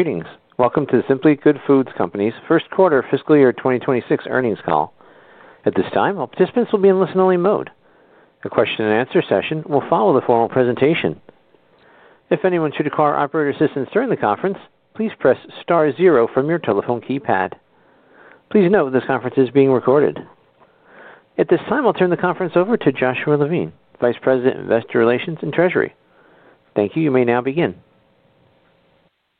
Greetings. Welcome to The Simply Good Foods Company's First Quarter Fiscal Year 2026 Earnings Call. At this time, all participants will be in listen-only mode. The question-and-answer session will follow the formal presentation. If anyone should require operator assistance during the conference, please press star zero from your telephone keypad. Please note this conference is being recorded. At this time, I'll turn the conference over to Joshua Levine, Vice President of Investor Relations and Treasury. Thank you. You may now begin. Thank you,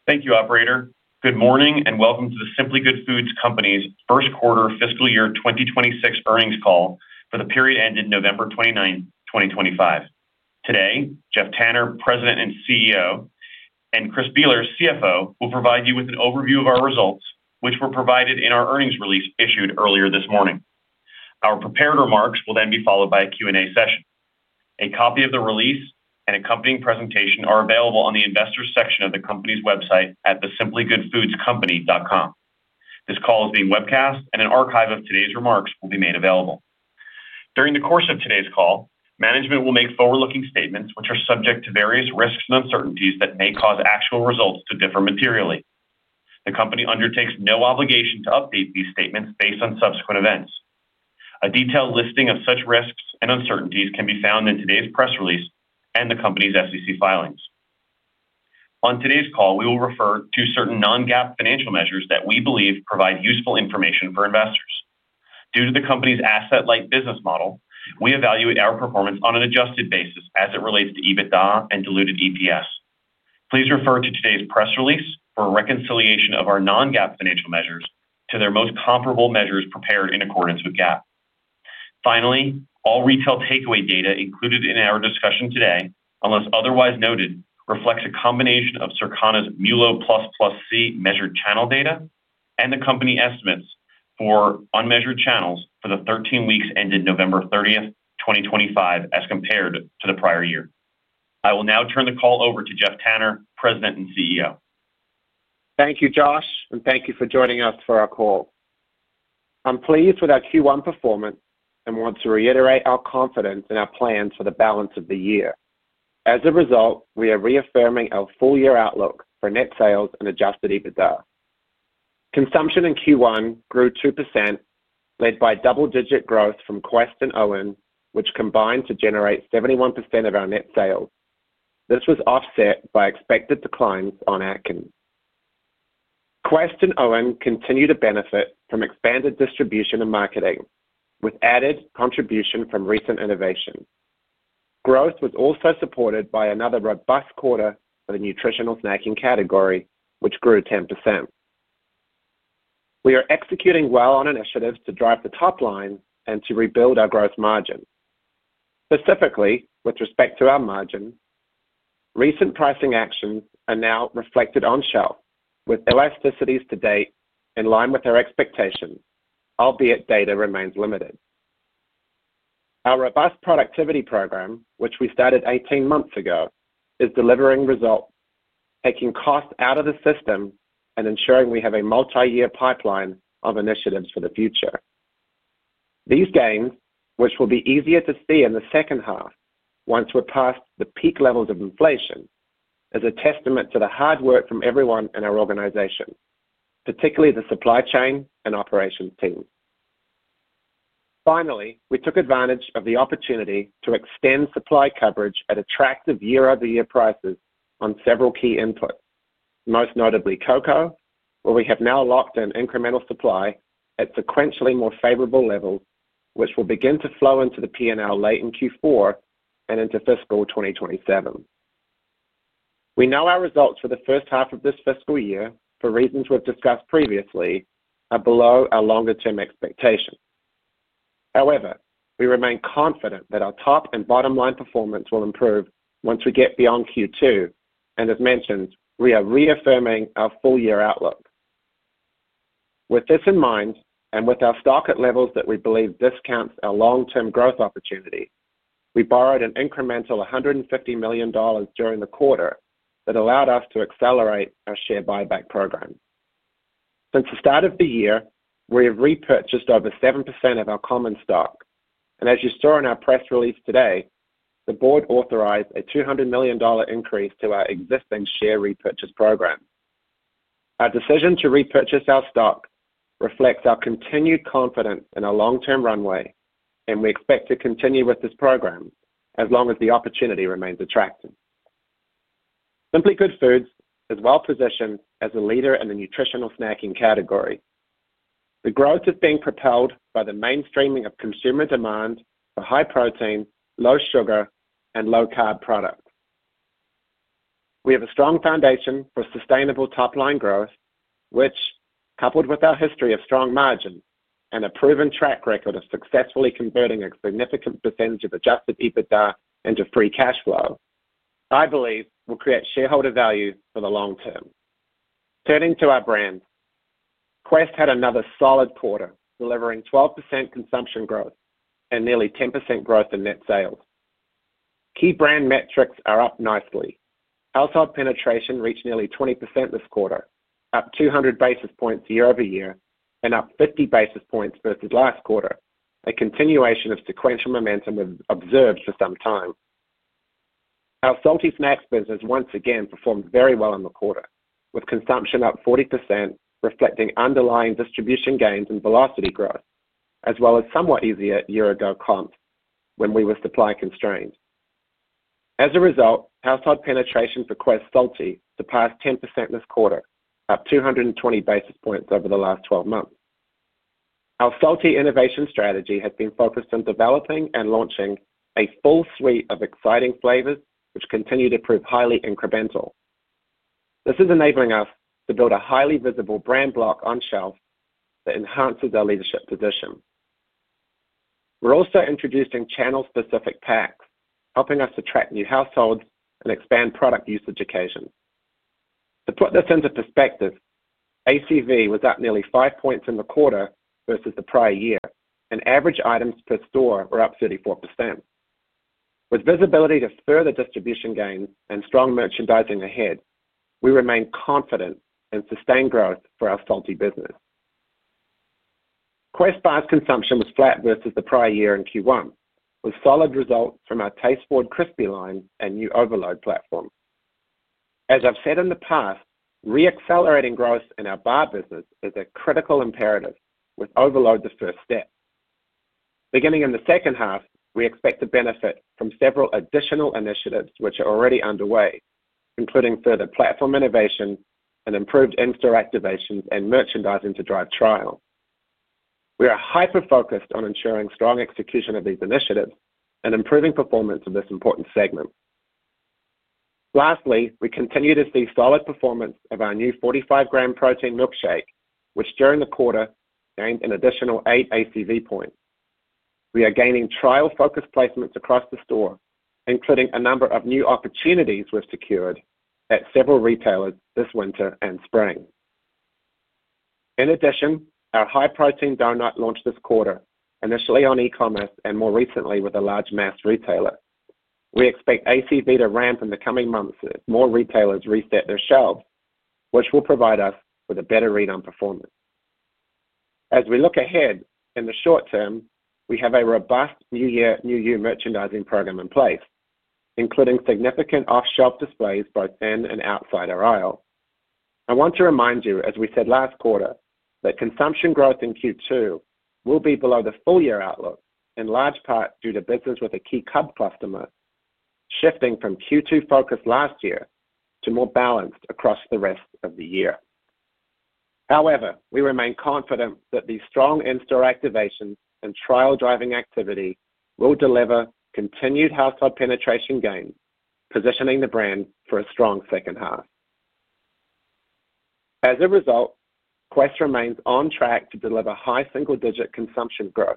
Operator. Good morning and welcome to The Simply Good Foods Company's First Quarter Fiscal Year 2026 Earnings Call for the period ended November 29th, 2025. Today, Geoff Tanner, President and CEO, and Chris Beeler, CFO, will provide you with an overview of our results, which were provided in our earnings release issued earlier this morning. Our prepared remarks will then be followed by a Q&A session. A copy of the release and accompanying presentation are available on the investor section of the company's website at thesimplygoodfoodscompany.com. This call is being webcast, and an archive of today's remarks will be made available. During the course of today's call, management will make forward-looking statements, which are subject to various risks and uncertainties that may cause actual results to differ materially. The company undertakes no obligation to update these statements based on subsequent events. A detailed listing of such risks and uncertainties can be found in today's press release and the company's SEC filings. On today's call, we will refer to certain non-GAAP financial measures that we believe provide useful information for investors. Due to the company's asset-light business model, we evaluate our performance on an adjusted basis as it relates to EBITDA and diluted EPS. Please refer to today's press release for a reconciliation of our non-GAAP financial measures to their most comparable measures prepared in accordance with GAAP. Finally, all retail takeaway data included in our discussion today, unless otherwise noted, reflects a combination of Circana's MULO+C measured channel data and the company estimates for unmeasured channels for the 13 weeks ended November 30th, 2025, as compared to the prior year. I will now turn the call over to Geoff Tanner, President and CEO. Thank you, Josh, and thank you for joining us for our call. I'm pleased with our Q1 performance and want to reiterate our confidence in our plans for the balance of the year. As a result, we are reaffirming our full-year outlook for net sales and Adjusted EBITDA. Consumption in Q1 grew 2%, led by double-digit growth from Quest and OWYN, which combined to generate 71% of our net sales. This was offset by expected declines on Atkins. Quest and OWYN continue to benefit from expanded distribution and marketing, with added contribution from recent innovation. Growth was also supported by another robust quarter for the nutritional snacking category, which grew 10%. We are executing well on initiatives to drive the top line and to rebuild our gross margin. Specifically, with respect to our margin, recent pricing actions are now reflected on shelf, with elasticities to date in line with our expectations, albeit data remains limited. Our robust productivity program, which we started 18 months ago, is delivering results, taking costs out of the system and ensuring we have a multi-year pipeline of initiatives for the future. These gains, which will be easier to see in the second half once we're past the peak levels of inflation, are a testament to the hard work from everyone in our organization, particularly the supply chain and operations team. Finally, we took advantage of the opportunity to extend supply coverage at attractive year-over-year prices on several key inputs, most notably cocoa, where we have now locked in incremental supply at sequentially more favorable levels, which will begin to flow into the P&L late in Q4 and into fiscal 2027. We know our results for the first half of this fiscal year, for reasons we've discussed previously, are below our longer-term expectations. However, we remain confident that our top and bottom-line performance will improve once we get beyond Q2, and as mentioned, we are reaffirming our full-year outlook. With this in mind and with our stock at levels that we believe discounts our long-term growth opportunity, we borrowed an incremental $150 million during the quarter that allowed us to accelerate our share buyback program. Since the start of the year, we have repurchased over 7% of our common stock, and as you saw in our press release today, the board authorized a $200 million increase to our existing share repurchase program. Our decision to repurchase our stock reflects our continued confidence in our long-term runway, and we expect to continue with this program as long as the opportunity remains attractive. Simply Good Foods is well-positioned as a leader in the nutritional snacking category. The growth is being propelled by the mainstreaming of consumer demand for high protein, low sugar, and low carb products. We have a strong foundation for sustainable top-line growth, which, coupled with our history of strong margins and a proven track record of successfully converting a significant percentage of Adjusted EBITDA into free cash flow, I believe will create shareholder value for the long term. Turning to our brand, Quest had another solid quarter, delivering 12% consumption growth and nearly 10% growth in net sales. Key brand metrics are up nicely. Household penetration reached nearly 20% this quarter, up 200 basis points year-over-year, and up 50 basis points versus last quarter, a continuation of sequential momentum observed for some time. Our salty snacks business once again performed very well in the quarter, with consumption up 40%, reflecting underlying distribution gains and velocity growth, as well as somewhat easier year-ago comps when we were supply constrained. As a result, household penetration for Quest Salty surpassed 10% this quarter, up 220 basis points over the last 12 months. Our salty innovation strategy has been focused on developing and launching a full suite of exciting flavors, which continue to prove highly incremental. This is enabling us to build a highly visible brand block on shelf that enhances our leadership position. We're also introducing channel-specific packs, helping us attract new households and expand product usage occasions. To put this into perspective, ACV was up nearly five points in the quarter versus the prior year, and average items per store were up 34%. With visibility to further distribution gains and strong merchandising ahead, we remain confident in sustained growth for our salty business. Quest Bar's consumption was flat versus the prior year in Q1, with solid results from our Quest Crispy line and new Overload platform. As I've said in the past, re-accelerating growth in our bar business is a critical imperative, with Overload the first step. Beginning in the second half, we expect to benefit from several additional initiatives which are already underway, including further platform innovation and improved in-store activations and merchandising to drive trial. We are hyper-focused on ensuring strong execution of these initiatives and improving performance of this important segment. Lastly, we continue to see solid performance of our new 45 g protein milkshake, which during the quarter gained an additional eight ACV points. We are gaining trial-focused placements across the store, including a number of new opportunities we've secured at several retailers this winter and spring. In addition, our high-protein donut launched this quarter, initially on e-commerce and more recently with a large mass retailer. We expect ACV to ramp in the coming months as more retailers reset their shelves, which will provide us with a better read-on performance. As we look ahead in the short term, we have New Year, New You merchandising program in place, including significant off-shelf displays both in and outside our aisle. I want to remind you, as we said last quarter, that consumption growth in Q2 will be below the full-year outlook, in large part due to business with a key Club customer shifting from Q2-focused last year to more balanced across the rest of the year. However, we remain confident that these strong in-store activations and trial-driving activity will deliver continued household penetration gains, positioning the brand for a strong second half. As a result, Quest remains on track to deliver high single-digit consumption growth,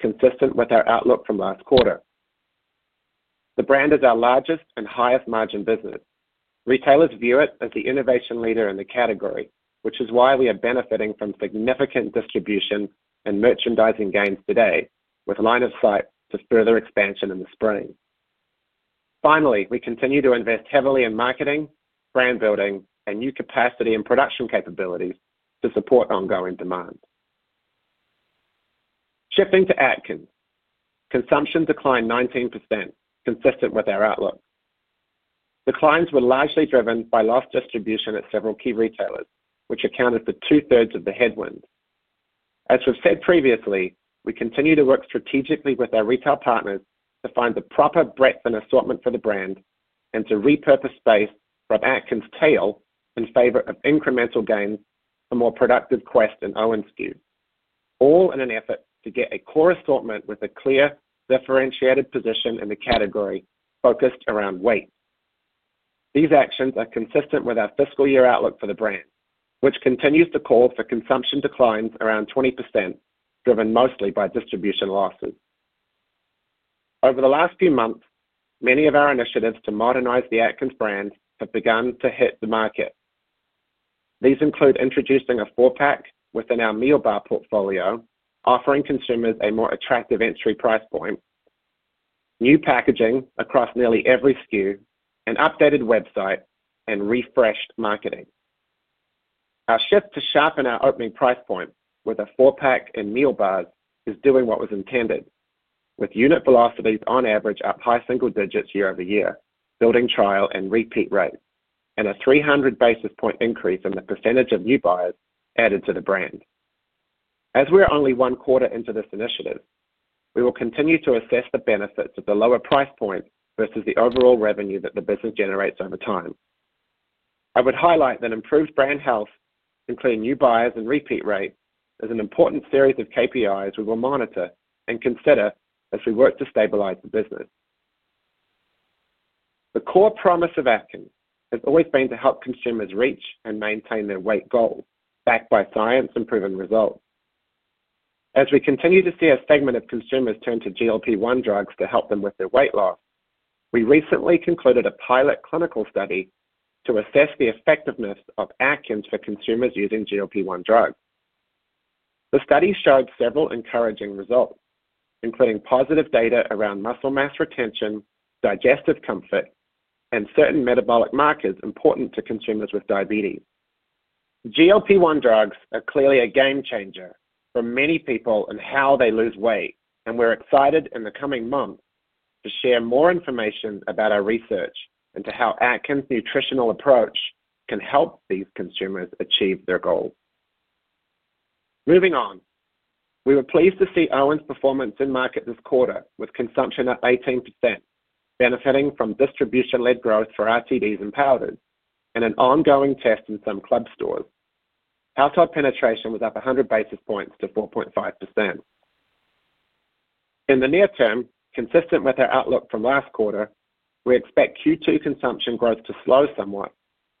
consistent with our outlook from last quarter. The brand is our largest and highest-margin business. Retailers view it as the innovation leader in the category, which is why we are benefiting from significant distribution and merchandising gains today, with line of sight to further expansion in the spring. Finally, we continue to invest heavily in marketing, brand building, and new capacity and production capabilities to support ongoing demand. Shifting to Atkins, consumption declined 19%, consistent with our outlook. Declines were largely driven by lost distribution at several key retailers, which accounted for two-thirds of the headwind. As we've said previously, we continue to work strategically with our retail partners to find the proper breadth and assortment for the brand and to repurpose space from Atkins' tail in favor of incremental gains for more productive Quest and OWYN SKUs, all in an effort to get a core assortment with a clear differentiated position in the category focused around weight. These actions are consistent with our fiscal year outlook for the brand, which continues to call for consumption declines around 20%, driven mostly by distribution losses. Over the last few months, many of our initiatives to modernize the Atkins brand have begun to hit the market. These include introducing a four-pack within our meal bar portfolio, offering consumers a more attractive entry price point, new packaging across nearly every SKU, an updated website, and refreshed marketing. Our shift to sharpen our opening price point with a four-pack in meal bars is doing what was intended, with unit velocities on average up high single digits year-over-year, building trial and repeat rates, and a 300 basis point increase in the percentage of new buyers added to the brand. As we are only one quarter into this initiative, we will continue to assess the benefits of the lower price point versus the overall revenue that the business generates over time. I would highlight that improved brand health, including new buyers and repeat rates, is an important series of KPIs we will monitor and consider as we work to stabilize the business. The core promise of Atkins has always been to help consumers reach and maintain their weight goals, backed by science and proven results. As we continue to see a segment of consumers turn to GLP-1 drugs to help them with their weight loss, we recently concluded a pilot clinical study to assess the effectiveness of Atkins for consumers using GLP-1 drugs. The study showed several encouraging results, including positive data around muscle mass retention, digestive comfort, and certain metabolic markers important to consumers with diabetes. GLP-1 drugs are clearly a game changer for many people in how they lose weight, and we're excited in the coming months to share more information about our research into how Atkins' nutritional approach can help these consumers achieve their goals. Moving on, we were pleased to see OWYN's performance in market this quarter, with consumption up 18%, benefiting from distribution-led growth for our RTDs and powders, and an ongoing test in some club stores. Household penetration was up 100 basis points to 4.5%. In the near term, consistent with our outlook from last quarter, we expect Q2 consumption growth to slow somewhat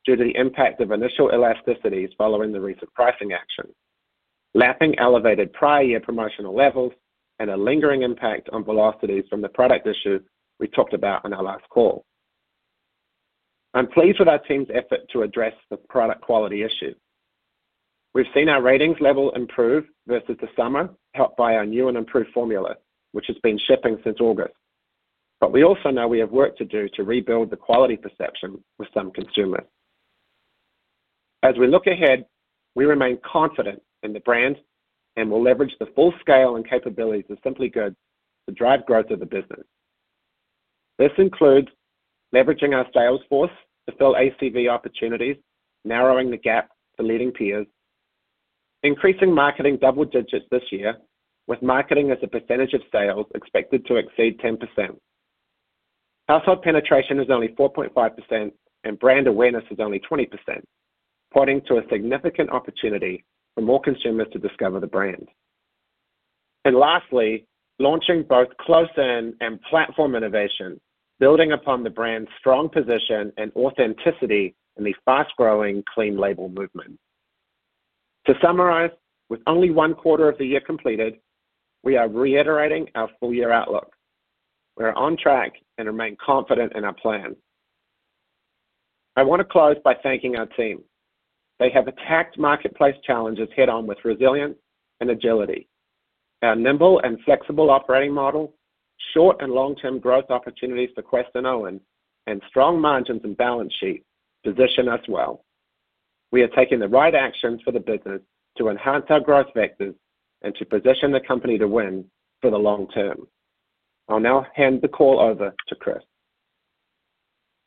due to the impact of initial elasticities following the recent pricing action, lapping elevated prior-year promotional levels, and a lingering impact on velocities from the product issues we talked about on our last call. I'm pleased with our team's effort to address the product quality issues. We've seen our ratings level improve versus the summer, helped by our new and improved formula, which has been shipping since August, but we also know we have work to do to rebuild the quality perception with some consumers. As we look ahead, we remain confident in the brand and will leverage the full scale and capabilities of Simply Good to drive growth of the business. This includes leveraging our sales force to fill ACV opportunities, narrowing the gap to leading peers, increasing marketing double digits this year, with marketing as a percentage of sales expected to exceed 10%. Household penetration is only 4.5%, and brand awareness is only 20%, pointing to a significant opportunity for more consumers to discover the brand, and lastly, launching both close-in and platform innovation, building upon the brand's strong position and authenticity in the fast-growing clean label movement. To summarize, with only one quarter of the year completed, we are reiterating our full-year outlook. We are on track and remain confident in our plan. I want to close by thanking our team. They have attacked marketplace challenges head-on with resilience and agility. Our nimble and flexible operating model, short and long-term growth opportunities for Quest and OWYN, and strong margins and balance sheet position us well. We are taking the right actions for the business to enhance our growth vectors and to position the company to win for the long term. I'll now hand the call over to Chris.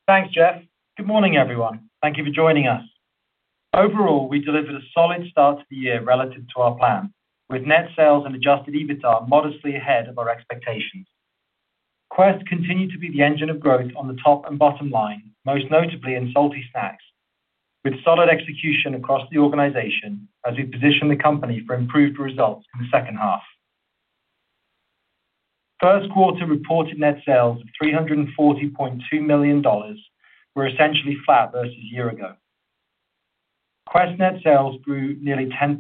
Thanks, Geoff. Good morning, everyone. Thank you for joining us. Overall, we delivered a solid start to the year relative to our plan, with net sales and Adjusted EBITDA modestly ahead of our expectations. Quest continued to be the engine of growth on the top and bottom line, most notably in salty snacks, with solid execution across the organization as we position the company for improved results in the second half. First quarter reported net sales of $340.2 million were essentially flat versus a year ago. Quest net sales grew nearly 10%,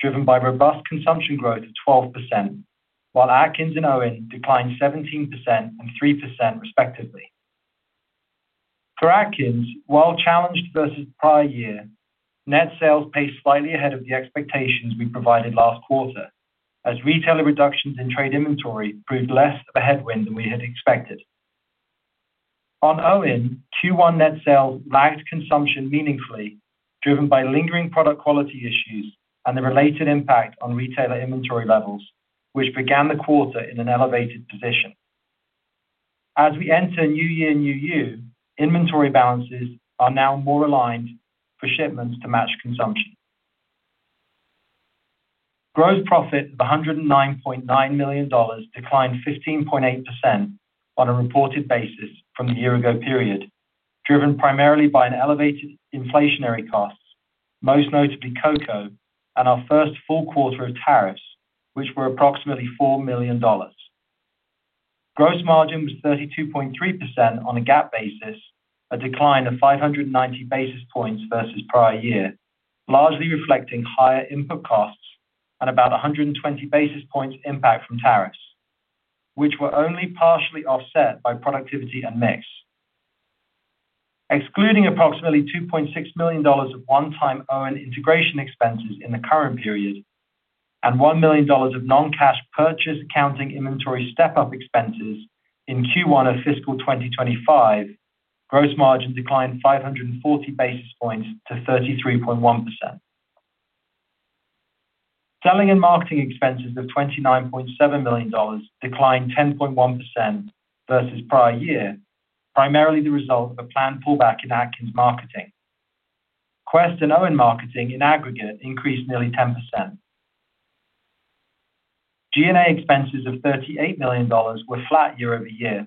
driven by robust consumption growth of 12%, while Atkins and OWYN declined 17% and 3%, respectively. For Atkins, while challenged versus prior year, net sales pace slightly ahead of the expectations we provided last quarter, as retailer reductions in trade inventory proved less of a headwind than we had expected. On OWYN, Q1 net sales lagged consumption meaningfully, driven by lingering product quality issues and the related impact on retailer inventory levels, which began the quarter in an elevated position. As we enter new year, inventory balances are now more aligned for shipments to match consumption. Gross profit of $109.9 million declined 15.8% on a reported basis from the year-ago period, driven primarily by elevated inflationary costs, most notably Cocoa and our first full quarter of tariffs, which were approximately $4 million. Gross margin was 32.3% on a GAAP basis, a decline of 590 basis points versus prior year, largely reflecting higher input costs and about 120 basis points impact from tariffs, which were only partially offset by productivity and mix. Excluding approximately $2.6 million of one-time OWYN integration expenses in the current period and $1 million of non-cash purchase accounting inventory step-up expenses in Q1 of fiscal 2025, gross margin declined 540 basis points to 33.1%. Selling and marketing expenses of $29.7 million declined 10.1% versus prior year, primarily the result of a planned pullback in Atkins marketing. Quest and OWYN marketing in aggregate increased nearly 10%. G&A expenses of $38 million were flat year-over-year.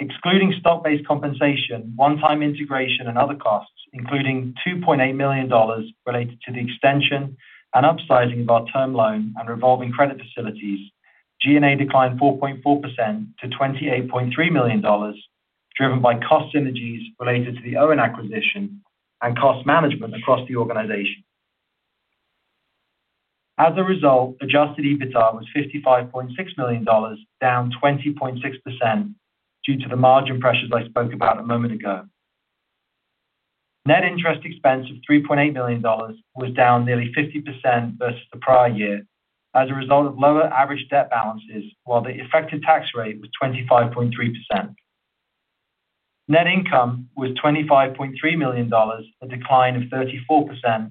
Excluding stock-based compensation, one-time integration, and other costs, including $2.8 million related to the extension and upsizing of our term loan and revolving credit facilities, G&A declined 4.4% to $28.3 million, driven by cost synergies related to the OWYN acquisition and cost management across the organization. As a result, Adjusted EBITDA was $55.6 million, down 20.6% due to the margin pressures I spoke about a moment ago. Net interest expense of $3.8 million was down nearly 50% versus the prior year as a result of lower average debt balances, while the effective tax rate was 25.3%. Net income was $25.3 million, a decline of 34%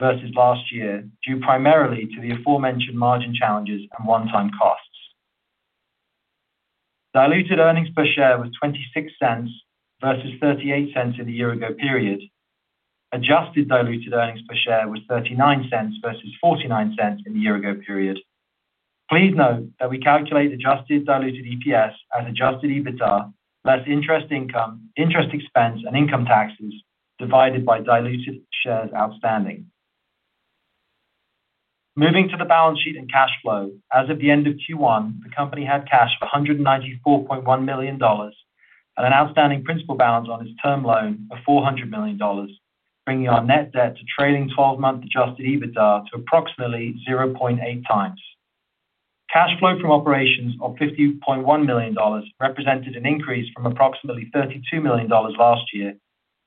versus last year, due primarily to the aforementioned margin challenges and one-time costs. Diluted earnings per share was $0.26 versus $0.38 in the year-ago period. Adjusted diluted earnings per share was $0.39 versus $0.49 in the year-ago period. Please note that we calculate adjusted diluted EPS as Adjusted EBITDA less interest income, interest expense, and income taxes divided by diluted shares outstanding. Moving to the balance sheet and cash flow, as of the end of Q1, the company had cash of $194.1 million and an outstanding principal balance on its term loan of $400 million, bringing our net debt to trailing 12-month Adjusted EBITDA to approximately 0.8x. Cash flow from operations of $50.1 million represented an increase from approximately $32 million last year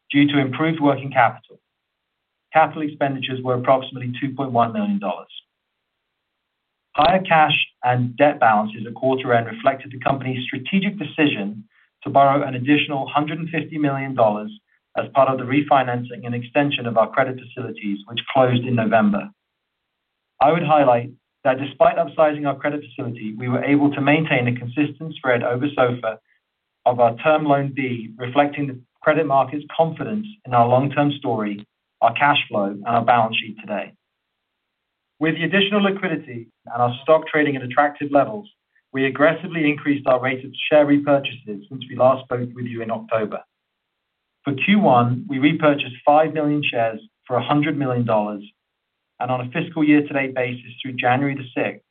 due to improved working capital. Capital expenditures were approximately $2.1 million. Higher cash and debt balances at quarter end reflected the company's strategic decision to borrow an additional $150 million as part of the refinancing and extension of our credit facilities, which closed in November. I would highlight that despite upsizing our credit facility, we were able to maintain a consistent spread over SOFR of our Term Loan B, reflecting the credit market's confidence in our long-term story, our cash flow, and our balance sheet today. With the additional liquidity and our stock trading at attractive levels, we aggressively increased our rate of share repurchases since we last spoke with you in October. For Q1, we repurchased five million shares for $100 million, and on a fiscal year-to-date basis through January the 6th,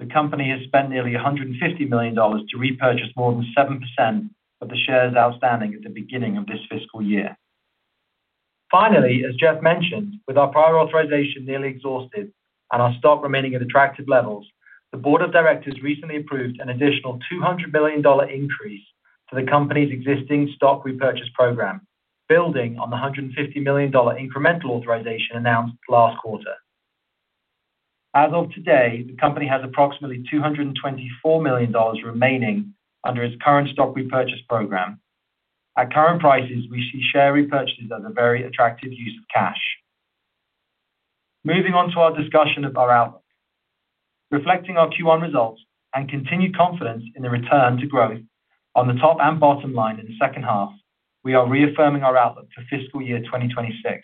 the company has spent nearly $150 million to repurchase more than 7% of the shares outstanding at the beginning of this fiscal year. Finally, as Geoff mentioned, with our prior authorization nearly exhausted and our stock remaining at attractive levels, the Board of Directors recently approved an additional $200 million increase to the company's existing stock repurchase program, building on the $150 million incremental authorization announced last quarter. As of today, the company has approximately $224 million remaining under its current stock repurchase program. At current prices, we see share repurchases as a very attractive use of cash. Moving on to our discussion of our outlook. Reflecting our Q1 results and continued confidence in the return to growth on the top and bottom line in the second half, we are reaffirming our outlook for fiscal year 2026.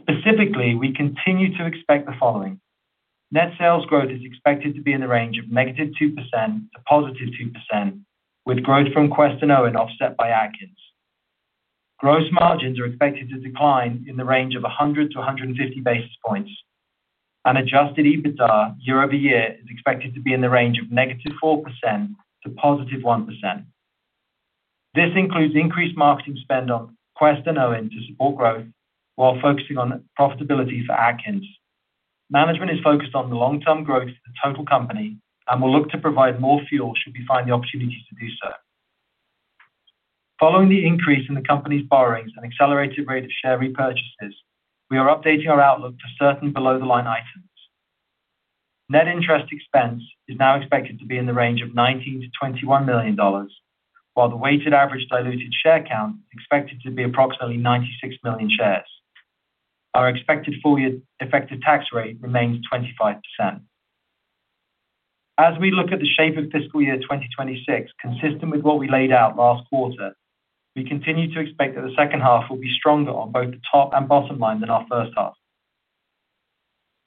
Specifically, we continue to expect the following. Net sales growth is expected to be in the range of -2% to +2%, with growth from Quest and OWYN offset by Atkins. Gross margins are expected to decline in the range of 100-150 basis points, and adjusted EBITDA year-over-year is expected to be in the range of -4% to +1%. This includes increased marketing spend on Quest and OWYN to support growth while focusing on profitability for Atkins. Management is focused on the long-term growth of the total company and will look to provide more fuel should we find the opportunity to do so. Following the increase in the company's borrowings and accelerated rate of share repurchases, we are updating our outlook for certain below-the-line items. Net interest expense is now expected to be in the range of $19 million-$21 million, while the weighted average diluted share count is expected to be approximately 96 million shares. Our expected full-year effective tax rate remains 25%. As we look at the shape of fiscal year 2026, consistent with what we laid out last quarter, we continue to expect that the second half will be stronger on both the top and bottom line than our first half.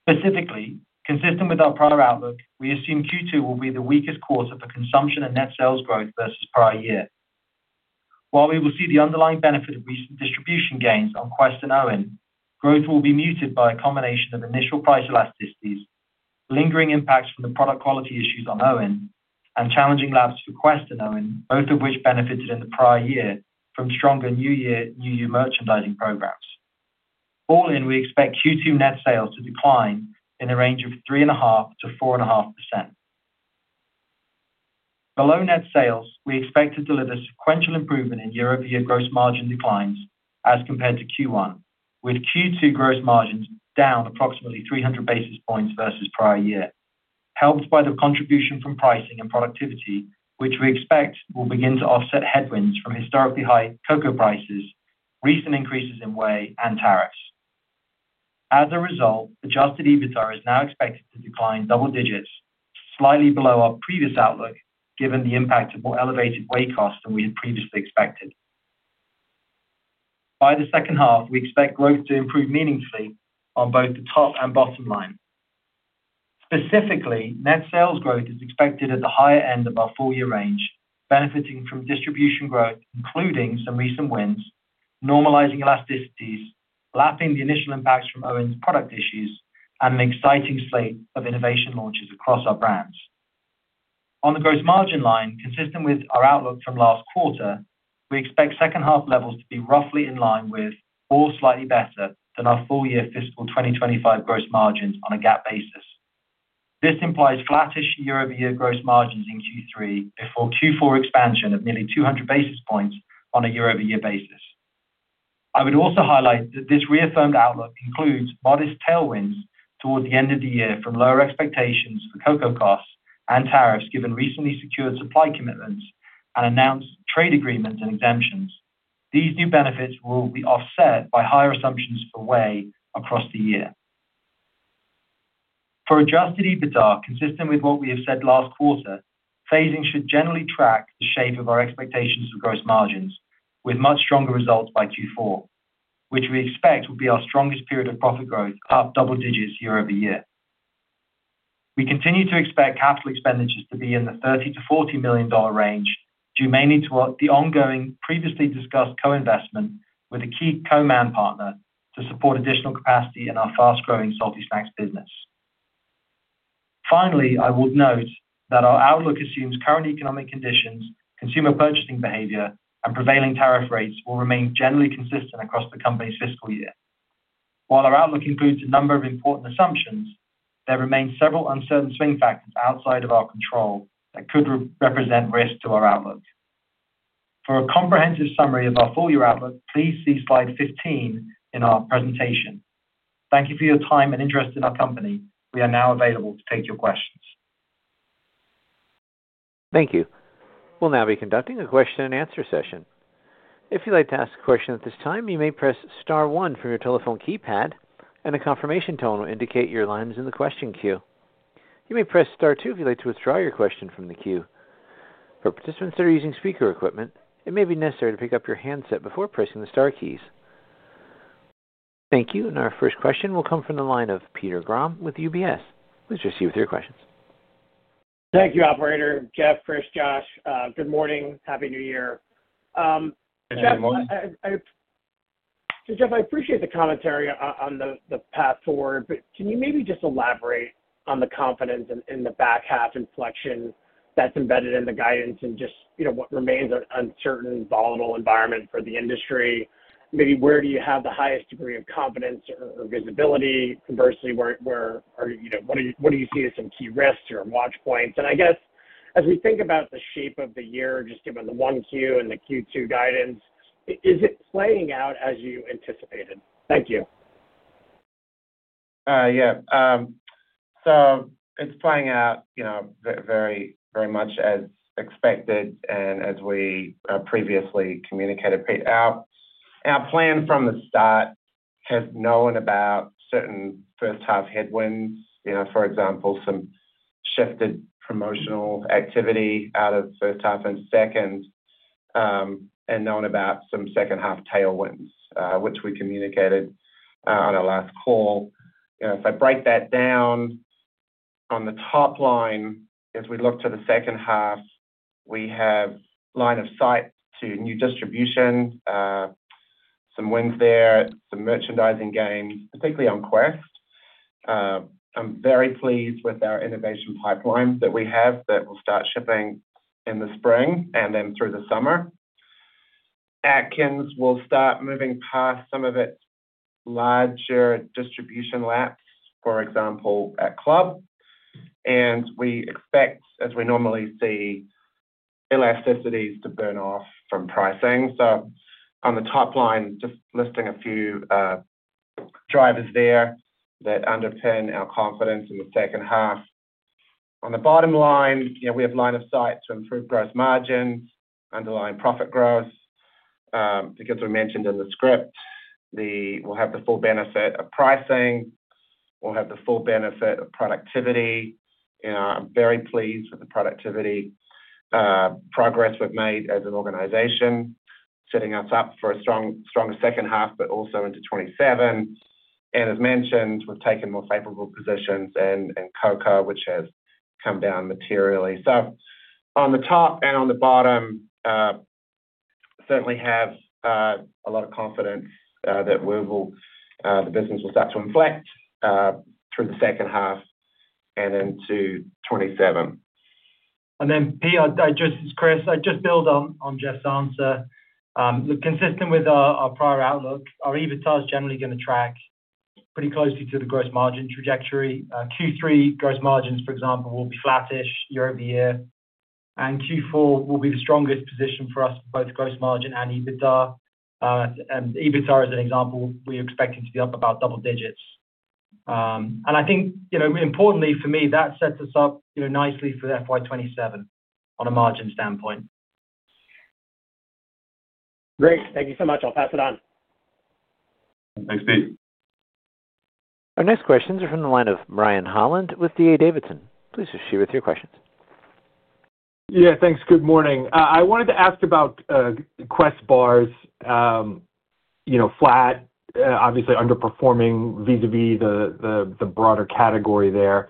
Specifically, consistent with our prior outlook, we assume Q2 will be the weakest quarter for consumption and net sales growth versus prior year. While we will see the underlying benefit of recent distribution gains on Quest and OWYN, growth will be muted by a combination of initial price elasticities, lingering impacts from the product quality issues on OWYN, and challenging comps for Quest and OWYN, both of which benefited in the prior year New Year, New You merchandising programs. All in, we expect Q2 net sales to decline in the range of 3.5%-4.5%. Below net sales, we expect to deliver sequential improvement in year-over-year gross margin declines as compared to Q1, with Q2 gross margins down approximately 300 basis points versus prior year, helped by the contribution from pricing and productivity, which we expect will begin to offset headwinds from historically high Cocoa prices, recent increases in whey, and tariffs. As a result, Adjusted EBITDA is now expected to decline double digits, slightly below our previous outlook given the impact of more elevated whey costs than we had previously expected. By the second half, we expect growth to improve meaningfully on both the top and bottom line. Specifically, net sales growth is expected at the higher end of our full-year range, benefiting from distribution growth, including some recent wins, normalizing elasticities, lapping the initial impacts from OWYN's product issues, and an exciting slate of innovation launches across our brands. On the gross margin line, consistent with our outlook from last quarter, we expect second half levels to be roughly in line with or slightly better than our full-year fiscal 2025 gross margins on a GAAP basis. This implies flattish year-over-year gross margins in Q3 before Q4 expansion of nearly 200 basis points on a year-over-year basis. I would also highlight that this reaffirmed outlook includes modest tailwinds towards the end of the year from lower expectations for Cocoa costs and tariffs given recently secured supply commitments and announced trade agreements and exemptions. These new benefits will be offset by higher assumptions for whey across the year. For Adjusted EBITDA, consistent with what we have said last quarter, phasing should generally track the shape of our expectations of gross margins, with much stronger results by Q4, which we expect will be our strongest period of profit growth, up double digits year-over-year. We continue to expect capital expenditures to be in the $30 million-$40 million range, due mainly to the ongoing previously discussed co-investment with a key co-man partner to support additional capacity in our fast-growing salty snacks business. Finally, I will note that our outlook assumes current economic conditions, consumer purchasing behavior, and prevailing tariff rates will remain generally consistent across the company's fiscal year. While our outlook includes a number of important assumptions, there remain several uncertain swing factors outside of our control that could represent risk to our outlook. For a comprehensive summary of our full-year outlook, please see slide 15 in our presentation. Thank you for your time and interest in our company. We are now available to take your questions. Thank you. We'll now be conducting a question-and-answer session. If you'd like to ask a question at this time, you may press star one from your telephone keypad, and a confirmation tone will indicate your lines in the question queue. You may press star two if you'd like to withdraw your question from the queue. For participants that are using speaker equipment, it may be necessary to pick up your handset before pressing the star keys. Thank you. And our first question will come from the line of Peter Grom with UBS. Please proceed with your questions. Thank you, Operator. Geoff, Chris, Josh, good morning. Happy New Year. Geoff, I appreciate the commentary on the path forward, but can you maybe just elaborate on the confidence in the back half inflection that's embedded in the guidance and just what remains an uncertain, volatile environment for the industry? Maybe where do you have the highest degree of confidence or visibility? Conversely, what do you see as some key risks or watch points? And I guess, as we think about the shape of the year, just given the 1Q and the Q2 guidance, is it playing out as you anticipated? Thank you. Yeah, so it's playing out very much as expected and as we previously communicated. Our plan from the start has known about certain first-half headwinds, for example, some shifted promotional activity out of first half and second, and known about some second-half tailwinds, which we communicated on our last call. If I break that down on the top line, as we look to the second half, we have line of sight to new distribution, some wins there, some merchandising gains, particularly on Quest. I'm very pleased with our innovation pipeline that we have that will start shipping in the spring and then through the summer. Atkins, we'll start moving past some of its larger distribution laps, for example, at Club, and we expect, as we normally see, elasticities to burn off from pricing, so on the top line, just listing a few drivers there that underpin our confidence in the second half. On the bottom line, we have line of sight to improve gross margins, underlying profit growth, because we mentioned in the script, we'll have the full benefit of pricing. We'll have the full benefit of productivity. I'm very pleased with the productivity progress we've made as an organization, setting us up for a stronger second half, but also into 2027. And as mentioned, we've taken more favorable positions in Cocoa, which has come down materially. So on the top and on the bottom, certainly have a lot of confidence that the business will start to inflect through the second half and into 2027. And then, Pete, I just build on Geoff's answer. Consistent with our prior outlook, our EBITDA is generally going to track pretty closely to the gross margin trajectory. Q3 gross margins, for example, will be flattish year-over-year. And Q4 will be the strongest position for us, both gross margin and EBITDA. And EBITDA, as an example, we expect it to be up about double digits. And I think, importantly for me, that sets us up nicely for FY 2027 on a margin standpoint. Great. Thank you so much. I'll pass it on. Thanks, Pete. Our next questions are from the line of Brian Holland with D.A. Davidson. Please proceed with your questions. Yeah. Thanks. Good morning. I wanted to ask about Quest Bars flat, obviously underperforming vis-à-vis the broader category there.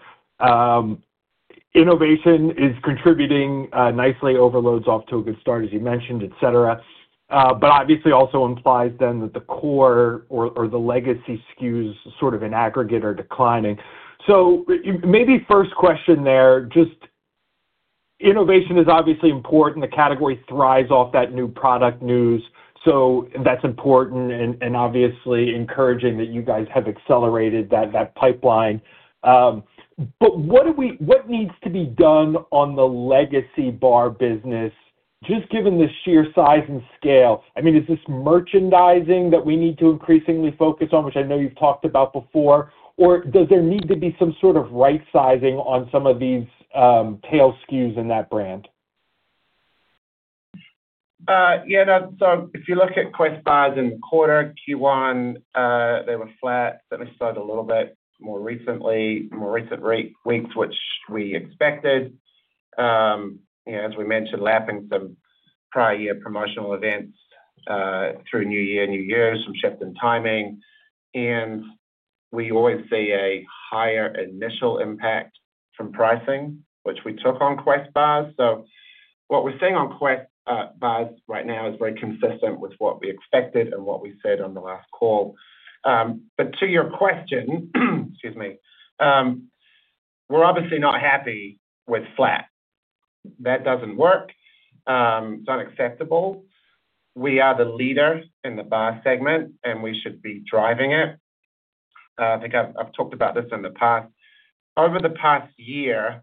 Innovation is contributing nicely, overloads off to a good start, as you mentioned, etc., but obviously also implies then that the core or the legacy SKUs sort of in aggregate are declining. So maybe first question there, just innovation is obviously important. The category thrives off that new product news, so that's important and obviously encouraging that you guys have accelerated that pipeline. But what needs to be done on the legacy bar business, just given the sheer size and scale? I mean, is this merchandising that we need to increasingly focus on, which I know you've talked about before, or does there need to be some sort of right-sizing on some of these tail SKUs in that brand? Yeah. So if you look at Quest Bars in the quarter, Q1, they were flat. Then we saw it a little bit more recently, more recent weeks, which we expected. As we mentioned, lapping some prior-year promotional events through New Year, New You some shift in timing. And we always see a higher initial impact from pricing, which we took on Quest Bars. So what we're seeing on Quest Bars right now is very consistent with what we expected and what we said on the last call. But to your question, excuse me, we're obviously not happy with flat. That doesn't work. It's unacceptable. We are the leader in the bar segment, and we should be driving it. I think I've talked about this in the past. Over the past year,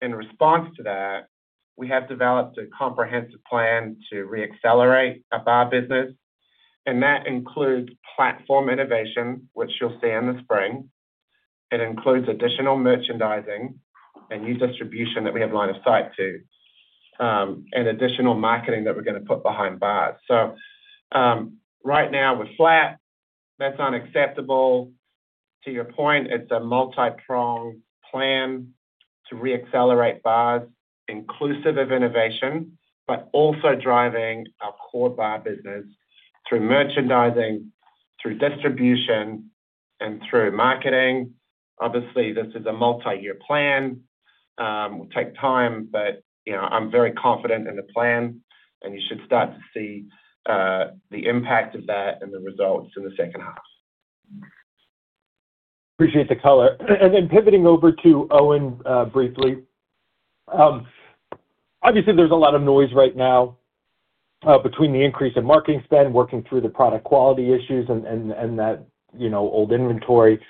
in response to that, we have developed a comprehensive plan to re-accelerate our bar business, and that includes platform innovation, which you'll see in the spring. It includes additional merchandising and new distribution that we have line of sight to, and additional marketing that we're going to put behind bars, so right now, we're flat. That's unacceptable. To your point, it's a multi-pronged plan to re-accelerate bars, inclusive of innovation, but also driving our core bar business through merchandising, through distribution, and through marketing. Obviously, this is a multi-year plan. It will take time, but I'm very confident in the plan, and you should start to see the impact of that and the results in the second half. Appreciate the color. And then pivoting over to OWYN briefly. Obviously, there's a lot of noise right now between the increase in marketing spend, working through the product quality issues, and that old inventory.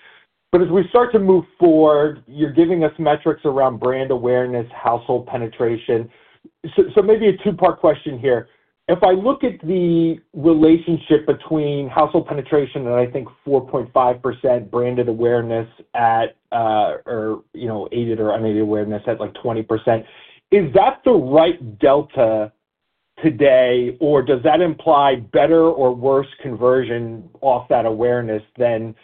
But as we start to move forward, you're giving us metrics around brand awareness, household penetration. So maybe a two-part question here. If I look at the relationship between household penetration and I think 4.5% branded awareness at or aided or unaided awareness at like 20%, is that the right delta today, or does that imply better or worse conversion off that awareness than you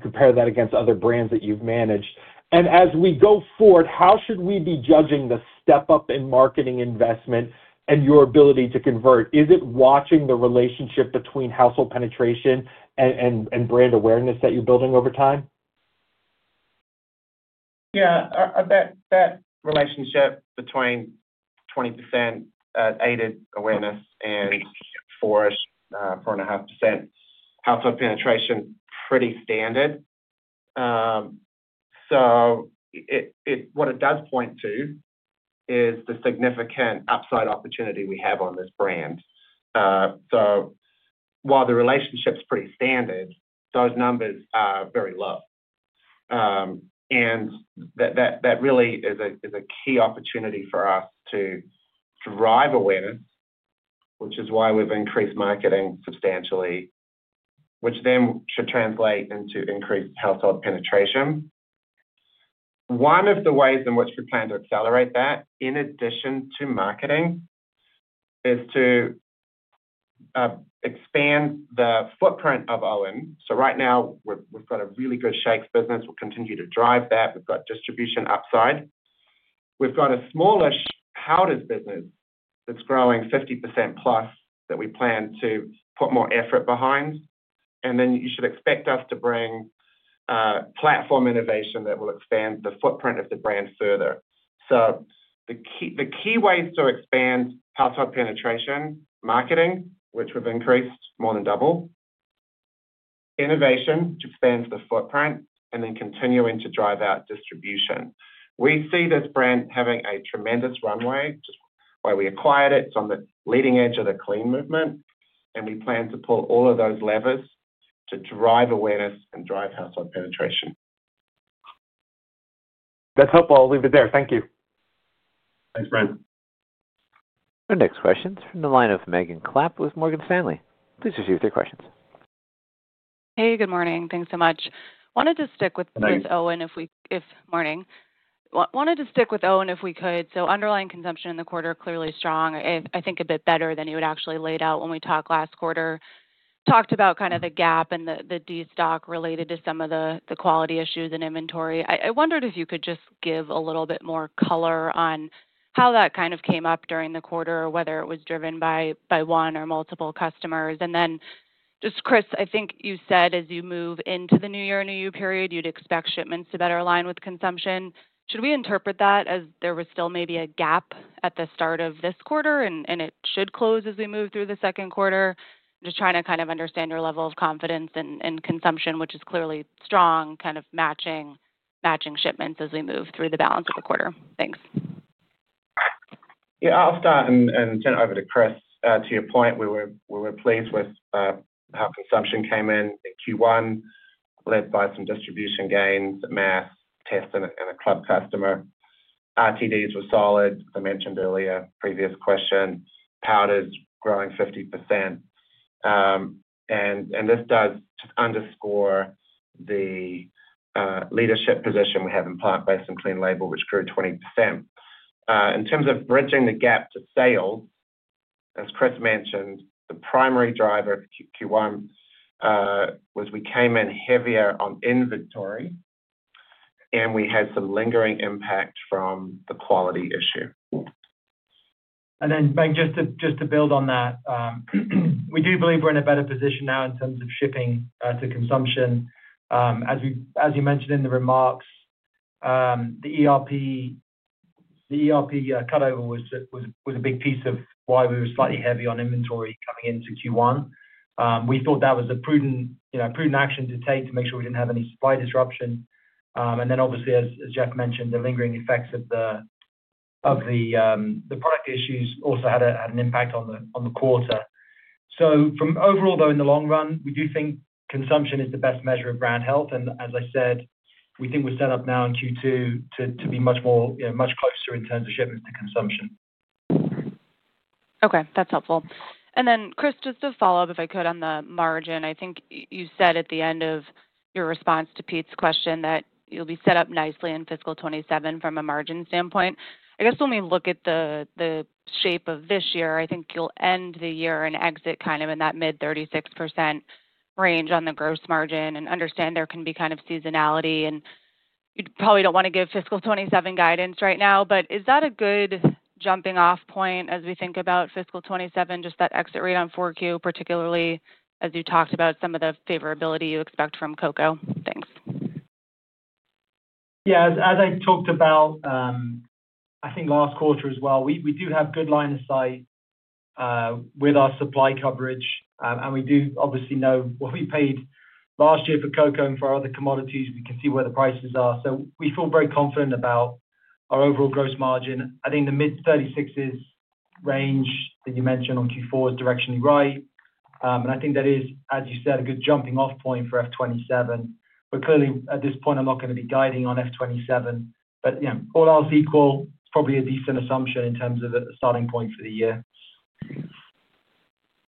compare that against other brands that you've managed? And as we go forward, how should we be judging the step-up in marketing investment and your ability to convert? Is it watching the relationship between household penetration and brand awareness that you're building over time? Yeah. That relationship between 20% aided awareness and 4.5% household penetration, pretty standard. So what it does point to is the significant upside opportunity we have on this brand. So while the relationship's pretty standard, those numbers are very low. And that really is a key opportunity for us to drive awareness, which is why we've increased marketing substantially, which then should translate into increased household penetration. One of the ways in which we plan to accelerate that, in addition to marketing, is to expand the footprint of OWYN. So right now, we've got a really good Shakes business. We'll continue to drive that. We've got distribution upside. We've got a smallish Powders business that's growing 50% plus that we plan to put more effort behind. And then you should expect us to bring platform innovation that will expand the footprint of the brand further. So the key ways to expand household penetration: marketing, which we've increased more than double. Innovation, which expands the footprint. And then continuing to drive out distribution. We see this brand having a tremendous runway, just why we acquired it. It's on the leading edge of the clean movement, and we plan to pull all of those levers to drive awareness and drive household penetration. That's helpful. I'll leave it there. Thank you. Thanks, Brian. Our next question is from the line of Megan Clapp with Morgan Stanley. Please proceed with your questions. Hey, good morning. Thanks so much. Wanted to stick with OWYN if we could. Morning. Wanted to stick with OWYN if we could. So underlying consumption in the quarter clearly strong, I think a bit better than you had actually laid out when we talked last quarter. Talked about kind of the gap and the destock related to some of the quality issues and inventory. I wondered if you could just give a little bit more color on how that kind of came up during the quarter, whether it was driven by one or multiple customers. And then just, Chris, I think you said as you move into the New Year, New You period, you'd expect shipments to better align with consumption. Should we interpret that as there was still maybe a gap at the start of this quarter, and it should close as we move through the second quarter? Just trying to kind of understand your level of confidence in consumption, which is clearly strong, kind of matching shipments as we move through the balance of the quarter. Thanks. Yeah. I'll start and turn it over to Chris. To your point, we were pleased with how consumption came in in Q1, led by some distribution gains, mass tests, and a Club customer. RTDs were solid, as I mentioned earlier, previous question. Powders growing 50%. And this does just underscore the leadership position we have in plant-based and clean label, which grew 20%. In terms of bridging the gap to sales, as Chris mentioned, the primary driver of Q1 was we came in heavier on inventory, and we had some lingering impact from the quality issue. And then, Meg, just to build on that, we do believe we're in a better position now in terms of shipping to consumption. As you mentioned in the remarks, the ERP cutover was a big piece of why we were slightly heavy on inventory coming into Q1. We thought that was a prudent action to take to make sure we didn't have any supply disruption. And then, obviously, as Geoff mentioned, the lingering effects of the product issues also had an impact on the quarter. So overall, though, in the long run, we do think consumption is the best measure of brand health. And as I said, we think we're set up now in Q2 to be much closer in terms of shipments to consumption. Okay. That's helpful. And then, Chris, just to follow up if I could on the margin, I think you said at the end of your response to Pete's question that you'll be set up nicely in fiscal 2027 from a margin standpoint. I guess when we look at the shape of this year, I think you'll end the year and exit kind of in that mid-36% range on the gross margin. Understand there can be kind of seasonality, and you probably don't want to give fiscal 2027 guidance right now, but is that a good jumping-off point as we think about fiscal 2027, just that exit rate on 4Q, particularly as you talked about some of the favorability you expect from Cocoa? Thanks. Yeah. As I talked about, I think last quarter as well, we do have good line of sight with our supply coverage. We do obviously know what we paid last year for Cocoa and for our other commodities. We can see where the prices are. So we feel very confident about our overall gross margin. I think the mid-36%s range that you mentioned on Q4 is directionally right. I think that is, as you said, a good jumping-off point for F 2027. But clearly, at this point, I'm not going to be guiding on F 2027. But all else equal, it's probably a decent assumption in terms of a starting point for the year.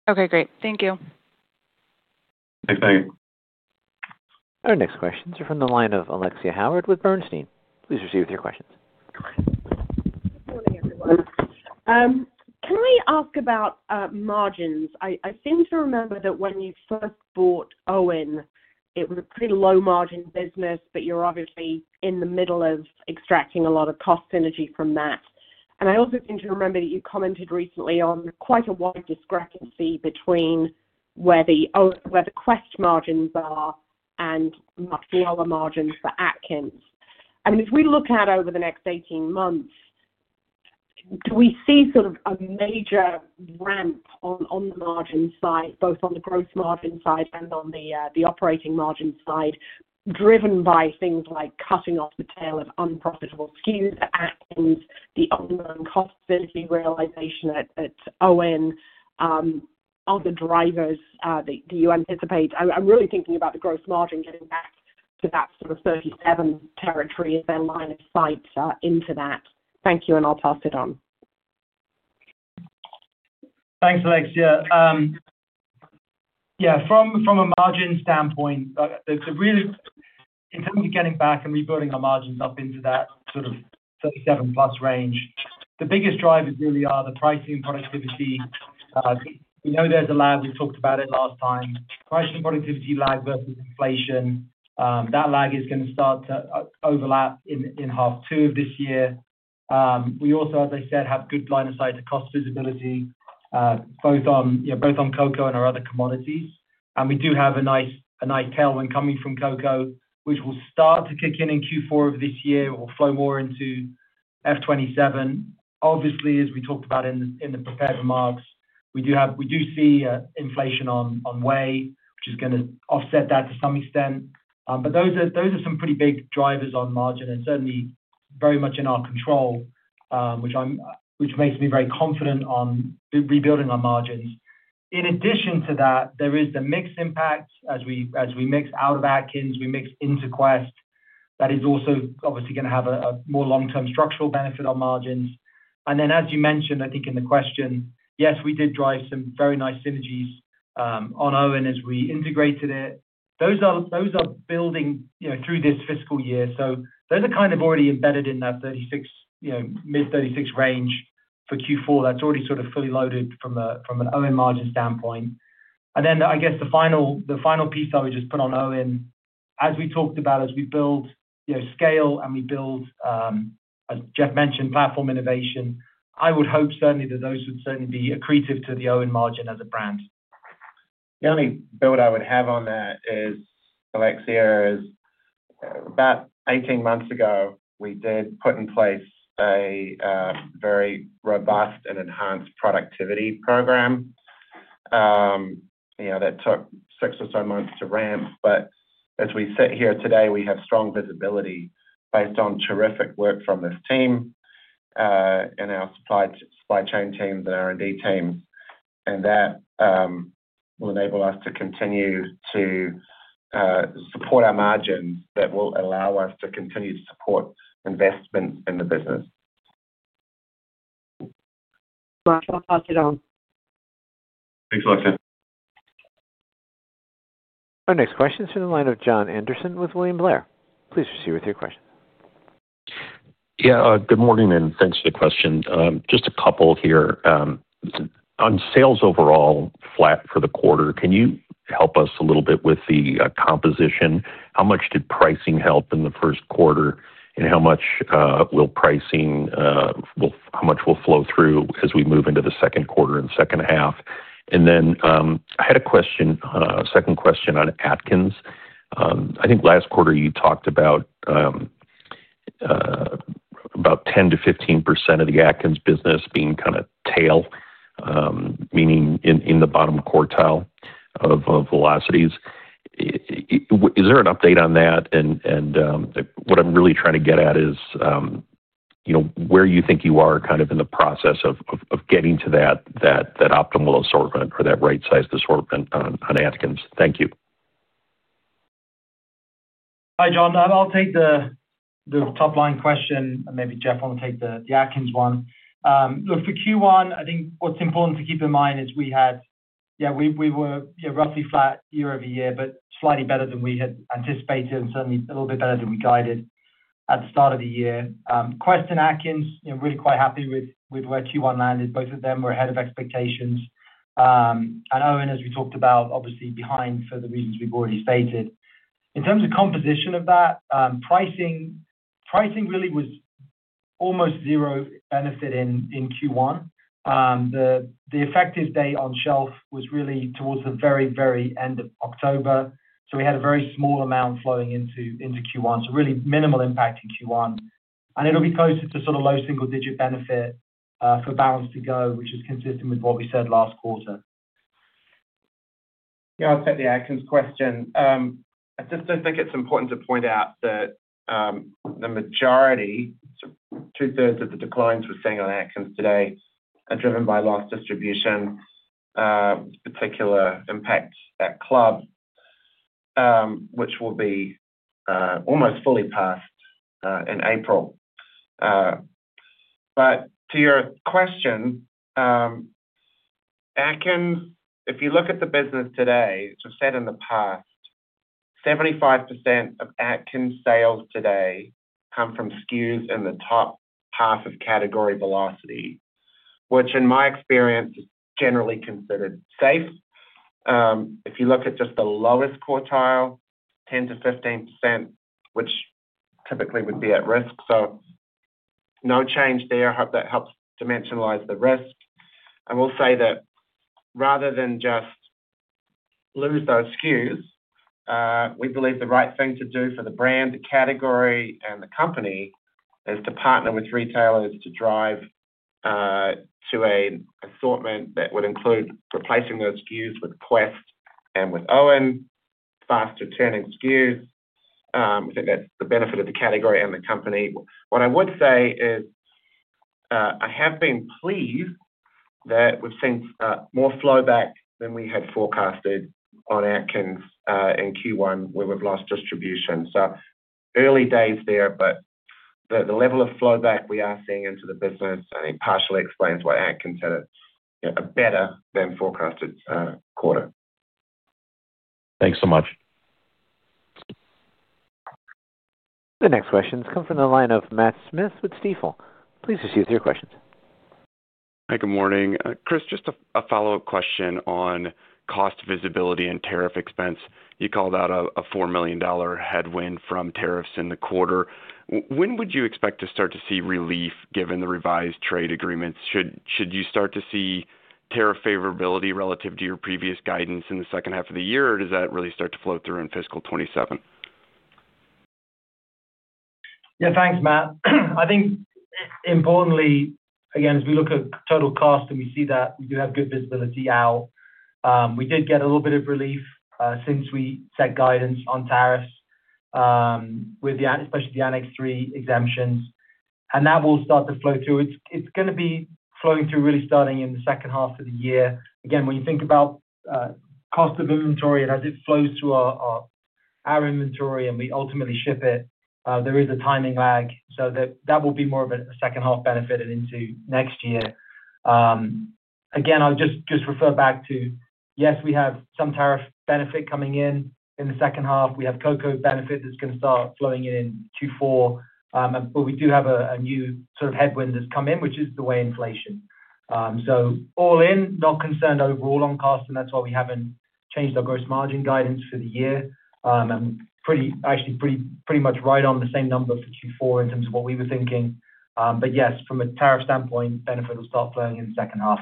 Okay. Great. Thank you. Thanks, Megan. Our next questions are from the line of Alexia Howard with Bernstein. Please proceed with your questions. Good morning, everyone. Can I ask about margins? I seem to remember that when you first bought OWYN, it was a pretty low-margin business, but you're obviously in the middle of extracting a lot of cost synergy from that. And I also seem to remember that you commented recently on quite a wide discrepancy between where the Quest margins are and much lower margins for Atkins. I mean, as we look out over the next 18 months, do we see sort of a major ramp on the margin side, both on the gross margin side and on the operating margin side, driven by things like cutting off the tail of unprofitable SKUs, Atkins, the ongoing cost synergy realization at OWYN, other drivers that you anticipate? I'm really thinking about the gross margin getting back to that sort of 37% territory as their line of sight into that. Thank you, and I'll pass it on. Thanks, Alexia. Yeah. From a margin standpoint, in terms of getting back and rebuilding our margins up into that sort of 37%+ range, the biggest drivers really are the pricing and productivity. We know there's a lag. We talked about it last time. Pricing and productivity lag versus inflation. That lag is going to start to overlap in half two of this year. We also, as I said, have good line of sight to cost visibility, both on Cocoa and our other commodities, and we do have a nice tailwind coming from Cocoa, which will start to kick in in Q4 of this year. It will flow more into F 2027. Obviously, as we talked about in the prepared remarks, we do see inflation on whey, which is going to offset that to some extent, but those are some pretty big drivers on margin and certainly very much in our control, which makes me very confident on rebuilding our margins. In addition to that, there is the mixed impact. As we mix out of Atkins, we mix into Quest. That is also obviously going to have a more long-term structural benefit on margins. And then, as you mentioned, I think in the question, yes, we did drive some very nice synergies on OWYN as we integrated it. Those are building through this fiscal year. So those are kind of already embedded in that mid-36% range for Q4. That's already sort of fully loaded from an OWYN margin standpoint. And then, I guess the final piece I would just put on OWYN, as we talked about, as we build scale and we build, as Geoff mentioned, platform innovation, I would hope certainly that those would certainly be accretive to the OWYN margin as a brand. The only build I would have on that is, Alexia, about 18 months ago, we did put in place a very robust and enhanced productivity program that took six or so months to ramp. But as we sit here today, we have strong visibility based on terrific work from this team and our supply chain teams and R&D teams. And that will enable us to continue to support our margins that will allow us to continue to support investments in the business. I'll pass it on. Thanks, Alexia. Our next question is from the line of Jon Andersen with William Blair. Please proceed with your question. Yeah. Good morning, and thanks for the question. Just a couple here. On sales overall, flat for the quarter. Can you help us a little bit with the composition? How much did pricing help in the first quarter, and how much will pricing flow through as we move into the second quarter and second half? And then I had a second question on Atkins. I think last quarter, you talked about 10%-15% of the Atkins business being kind of tail, meaning in the bottom quartile of velocities. Is there an update on that? And what I'm really trying to get at is where you think you are kind of in the process of getting to that optimal assortment or that right-sized assortment on Atkins. Thank you. Hi, Jon. I'll take the top-line question, and maybe Geoff will take the Atkins one. Look, for Q1, I think what's important to keep in mind is we had, yeah, we were roughly flat year-over-year, but slightly better than we had anticipated and certainly a little bit better than we guided at the start of the year. Quest and Atkins, really quite happy with where Q1 landed. Both of them were ahead of expectations. OWYN, as we talked about, obviously behind for the reasons we've already stated. In terms of composition of that, pricing really was almost zero benefit in Q1. The effective date on shelf was really towards the very, very end of October. So we had a very small amount flowing into Q1. So really minimal impact in Q1. And it'll be closer to sort of low single-digit benefit for balance to go, which is consistent with what we said last quarter. Yeah. I'll take the Atkins question. I just think it's important to point out that the majority, two-thirds of the declines we're seeing on Atkins today are driven by lost distribution, particular impact at Club, which will be almost fully past in April. But to your question, Atkins, if you look at the business today, as we've said in the past, 75% of Atkins sales today come from SKUs in the top half of category velocity, which in my experience is generally considered safe. If you look at just the lowest quartile, 10%-15%, which typically would be at risk. So no change there. I hope that helps to maximize the risk. I will say that rather than just lose those SKUs, we believe the right thing to do for the brand, the category, and the company is to partner with retailers to drive to an assortment that would include replacing those SKUs with Quest and with OWYN, faster-turning SKUs. I think that's the benefit of the category and the company. What I would say is I have been pleased that we've seen more flowback than we had forecasted on Atkins in Q1, where we've lost distribution. So early days there, but the level of flowback we are seeing into the business, I think, partially explains why Atkins had a better-than-forecasted quarter. Thanks so much. The next question has come from the line of Matt Smith with Stifel. Please proceed with your questions. Hi. Good morning. Chris, just a follow-up question on cost visibility and tariff expense. You called out a $4 million headwind from tariffs in the quarter. When would you expect to start to see relief given the revised trade agreements? Should you start to see tariff favorability relative to your previous guidance in the second half of the year, or does that really start to flow through in fiscal 2027? Yeah. Thanks, Matt. I think importantly, again, as we look at total cost and we see that we do have good visibility out, we did get a little bit of relief since we set guidance on tariffs, especially the Annex III exemptions. And that will start to flow through. It's going to be flowing through really starting in the second half of the year. Again, when you think about cost of inventory and as it flows through our inventory and we ultimately ship it, there is a timing lag. So that will be more of a second-half benefit into next year. Again, I'll just refer back to, yes, we have some tariff benefit coming in in the second half. We have Cocoa benefit that's going to start flowing in in Q4. But we do have a new sort of headwind that's come in, which is the whey inflation. All in, not concerned overall on cost, and that's why we haven't changed our gross margin guidance for the year. And actually pretty much right on the same number for Q4 in terms of what we were thinking. But yes, from a tariff standpoint, benefit will start flowing in the second half.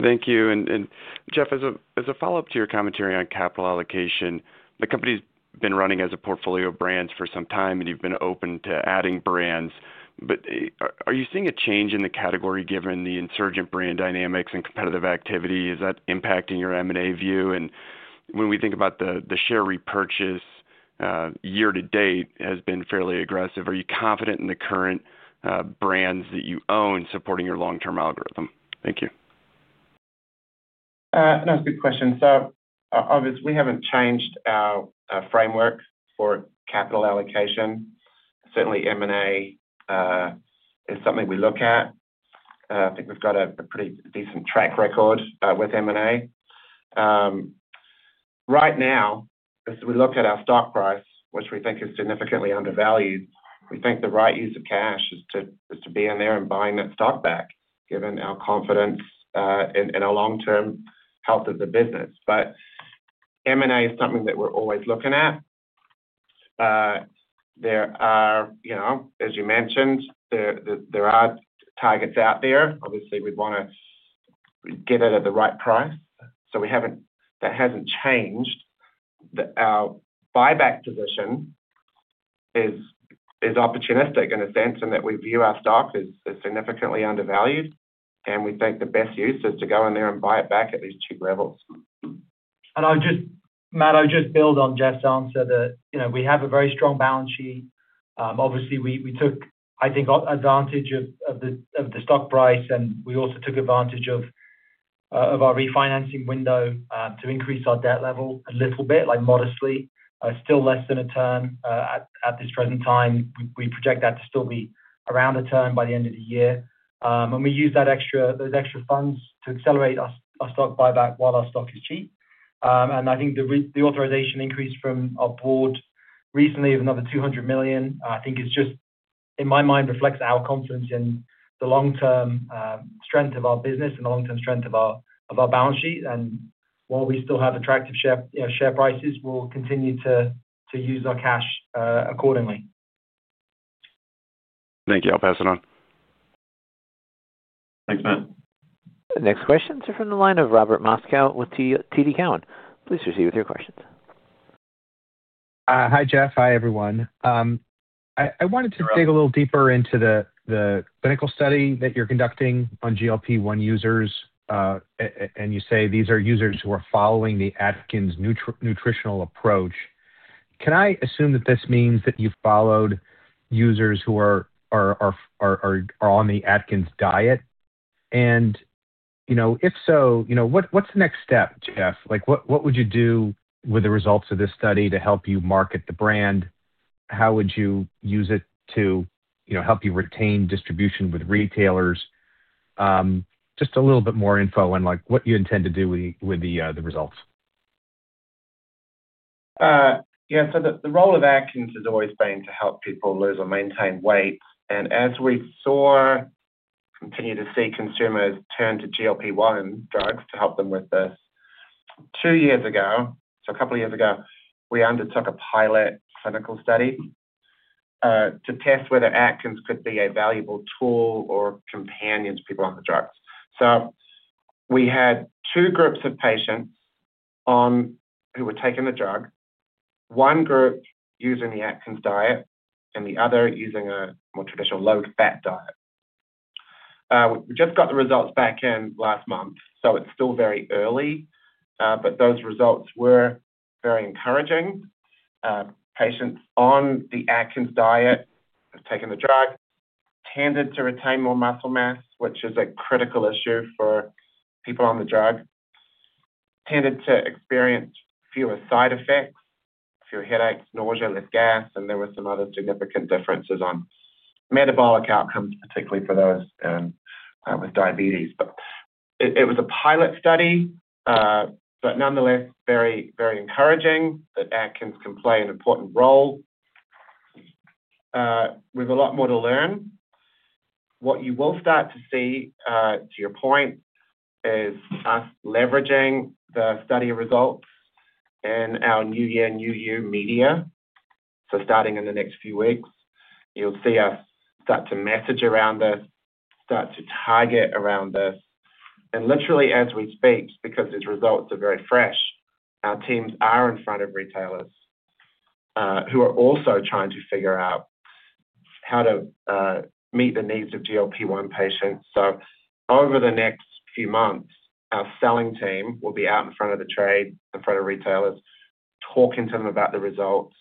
Thank you. And Geoff, as a follow-up to your commentary on capital allocation, the company's been running as a portfolio brand for some time, and you've been open to adding brands. But are you seeing a change in the category given the insurgent brand dynamics and competitive activity? Is that impacting your M&A view? And when we think about the share repurchase, year-to-date has been fairly aggressive. Are you confident in the current brands that you own supporting your long-term algorithm? Thank you. That's a good question. So obviously, we haven't changed our framework for capital allocation. Certainly, M&A is something we look at. I think we've got a pretty decent track record with M&A. Right now, as we look at our stock price, which we think is significantly undervalued, we think the right use of cash is to be in there and buying that stock back, given our confidence in a long-term health of the business. But M&A is something that we're always looking at. There are, as you mentioned, there are targets out there. Obviously, we'd want to get it at the right price. So that hasn't changed. Our buyback position is opportunistic in a sense in that we view our stock as significantly undervalued, and we think the best use is to go in there and buy it back at these two levels. Matt, I'll just build on Geoff's answer that we have a very strong balance sheet. Obviously, we took, I think, advantage of the stock price, and we also took advantage of our refinancing window to increase our debt level a little bit, modestly. Still less than a turn at this present time. We project that to still be around a turn by the end of the year. We use those extra funds to accelerate our stock buyback while our stock is cheap. I think the authorization increase from our board recently of another $200 million, I think, in my mind, reflects our confidence in the long-term strength of our business and the long-term strength of our balance sheet. While we still have attractive share prices, we'll continue to use our cash accordingly. Thank you. I'll pass it on. Thanks, Matt. Next questions are from the line of Robert Moskow with TD Cowen. Please proceed with your questions. Hi, Geoff. Hi, everyone. I wanted to dig a little deeper into the clinical study that you're conducting on GLP-1 users, and you say these are users who are following the Atkins nutritional approach. Can I assume that this means that you've followed users who are on the Atkins diet? And if so, what's the next step, Geoff? What would you do with the results of this study to help you market the brand? How would you use it to help you retain distribution with retailers? Just a little bit more info on what you intend to do with the results. Yeah, so the role of Atkins has always been to help people lose or maintain weight. And as we saw, continue to see consumers turn to GLP-1 drugs to help them with this. Two years ago, so a couple of years ago, we undertook a pilot clinical study to test whether Atkins could be a valuable tool or companion to people on the drugs. So we had two groups of patients who were taking the drug, one group using the Atkins diet and the other using a more traditional low-fat diet. We just got the results back in last month, so it's still very early. But those results were very encouraging. Patients on the Atkins diet have taken the drug, tended to retain more muscle mass, which is a critical issue for people on the drug, tended to experience fewer side effects, fewer headaches, nausea, less gas. And there were some other significant differences on metabolic outcomes, particularly for those with diabetes. It was a pilot study, but nonetheless, very, very encouraging that Atkins can play an important role. We have a lot more to learn. What you will start to see, to your point, is us leveraging the study results New Year, New You media. so starting in the next few weeks, you'll see us start to message around this, start to target around this. And literally, as we speak, because these results are very fresh, our teams are in front of retailers who are also trying to figure out how to meet the needs of GLP-1 patients. So over the next few months, our selling team will be out in front of the trade, in front of retailers, talking to them about the results,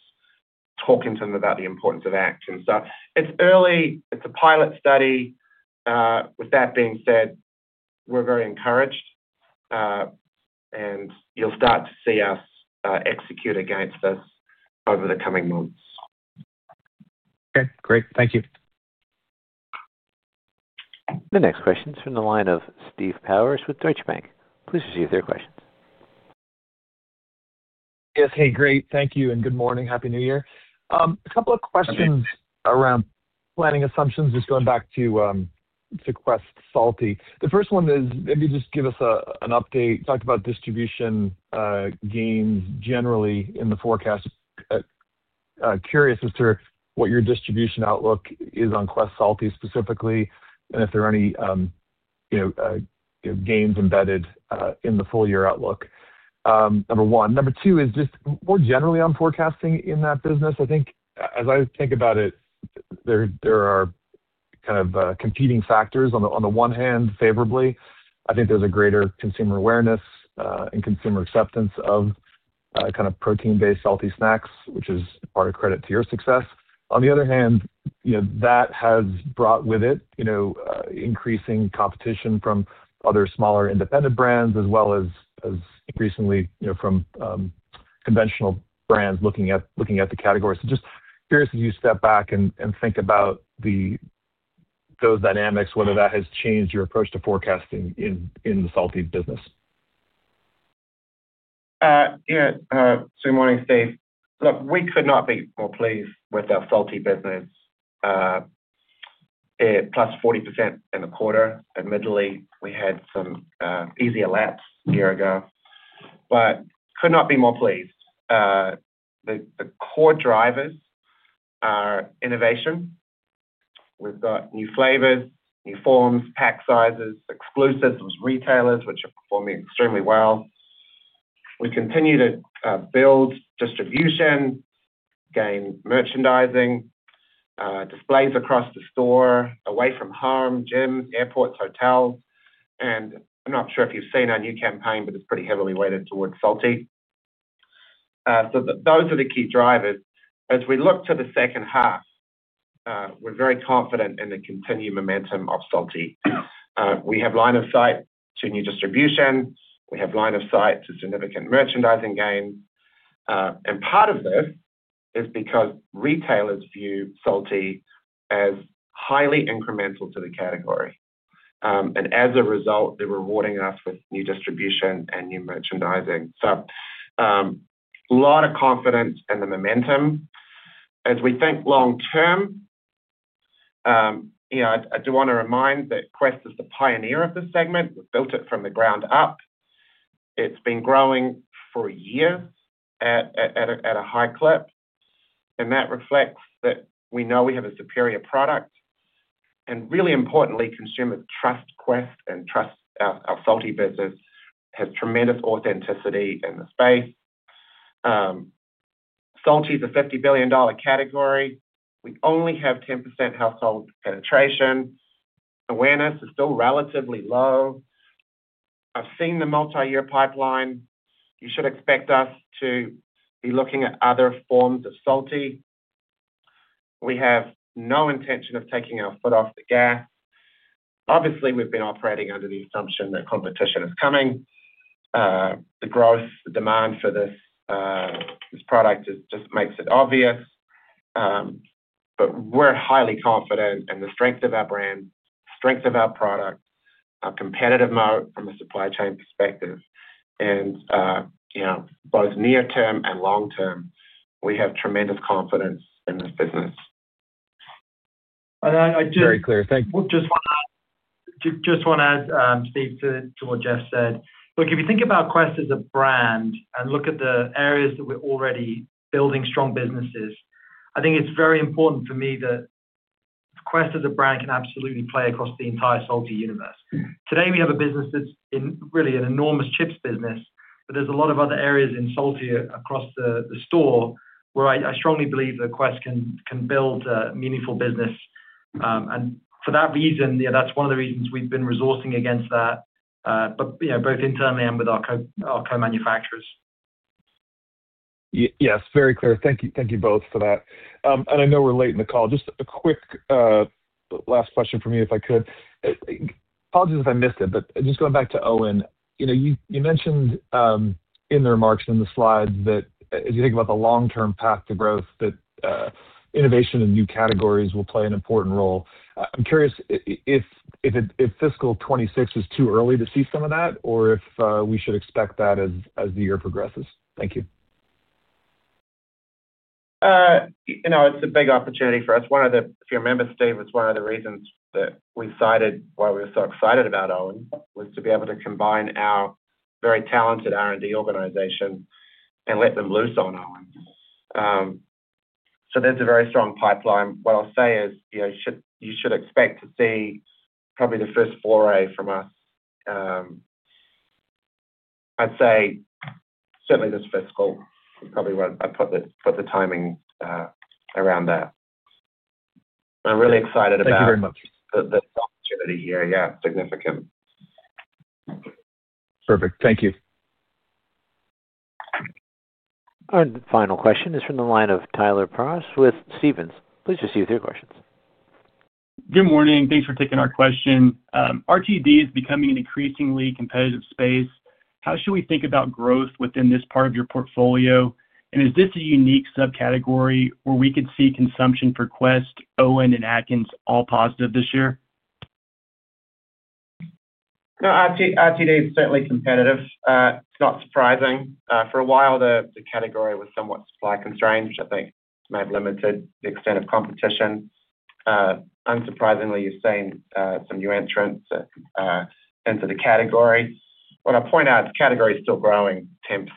talking to them about the importance of Atkins. So it's early. It's a pilot study. With that being said, we're very encouraged, and you'll start to see us execute against this over the coming months. Okay. Great. Thank you. The next question is from the line of Steve Powers with Deutsche Bank. Please proceed with your questions. Yes. Hey, great. Thank you. And good morning. Happy New Year. A couple of questions around planning assumptions just going back to Quest Salty. The first one is, maybe just give us an update. You talked about distribution gains generally in the forecast. Curious as to what your distribution outlook is on Quest Salty specifically and if there are any gains embedded in the full-year outlook. Number one. Number two is just more generally on forecasting in that business. I think as I think about it, there are kind of competing factors. On the one hand, favorably, I think there's a greater consumer awareness and consumer acceptance of kind of protein-based salty snacks, which is partial credit to your success. On the other hand, that has brought with it increasing competition from other smaller independent brands as well as increasingly from conventional brands looking at the category. So just curious as you step back and think about those dynamics, whether that has changed your approach to forecasting in the salty business. Yeah. Good morning, Steve. Look, we could not be more pleased with our salty business. +40% in the quarter. Admittedly, we had some easy comps a year ago, but could not be more pleased. The core drivers are innovation. We've got new flavors, new forms, pack sizes, exclusives, retailers, which are performing extremely well. We continue to build distribution, gain merchandising, displays across the store, away from home, gyms, airports, hotels, and I'm not sure if you've seen our new campaign, but it's pretty heavily weighted towards salty, so those are the key drivers. As we look to the second half, we're very confident in the continued momentum of salty. We have line of sight to new distribution. We have line of sight to significant merchandising gains, and part of this is because retailers view salty as highly incremental to the category, and as a result, they're rewarding us with new distribution and new merchandising, so a lot of confidence in the momentum. As we think long term, I do want to remind that Quest is the pioneer of this segment. We've built it from the ground up. It's been growing for years at a high clip. That reflects that we know we have a superior product. And really importantly, consumers trust Quest and trust our salty business. It has tremendous authenticity in the space. Salty is a $50 billion category. We only have 10% household penetration. Awareness is still relatively low. I've seen the multi-year pipeline. You should expect us to be looking at other forms of salty. We have no intention of taking our foot off the gas. Obviously, we've been operating under the assumption that competition is coming. The growth, the demand for this product just makes it obvious. But we're highly confident in the strength of our brand, strength of our product, our competitive moat from a supply chain perspective. And both near-term and long-term, we have tremendous confidence in this business. Very clear. Thank you. Just want to add, Steve, to what Geoff said. Look, if you think about Quest as a brand and look at the areas that we're already building strong businesses, I think it's very important for me that Quest as a brand can absolutely play across the entire salty universe. Today, we have a business that's really an enormous chips business, but there's a lot of other areas in salty across the store where I strongly believe that Quest can build a meaningful business. And for that reason, that's one of the reasons we've been resorting against that, both internally and with our co-manufacturers. Yes. Very clear. Thank you both for that. And I know we're late in the call. Just a quick last question for me if I could. Apologies if I missed it, but just going back to OWYN, you mentioned in the remarks and the slides that as you think about the long-term path to growth, that innovation and new categories will play an important role. I'm curious if fiscal 2026 is too early to see some of that or if we should expect that as the year progresses. Thank you. It's a big opportunity for us. If you remember, Steve, it's one of the reasons that we decided why we were so excited about OWYN was to be able to combine our very talented R&D organization and let them loose on OWYN. So there's a very strong pipeline. What I'll say is you should expect to see probably the first foray from us. I'd say certainly this fiscal is probably where I'd put the timing around that. I'm really excited about. Thank you very much. The opportunity here. Yeah. Significant. Perfect. Thank you. The final question is from the line of Tyler Prause with Stephens. Please proceed with your questions. Good morning. Thanks for taking our question. RTD is becoming an increasingly competitive space. How should we think about growth within this part of your portfolio? And is this a unique subcategory where we could see consumption for Quest, OWYN, and Atkins all positive this year? RTD is certainly competitive. It's not surprising. For a while, the category was somewhat supply constrained, which I think may have limited the extent of competition. Unsurprisingly, you've seen some new entrants into the category. What I'll point out, the category is still growing 10%+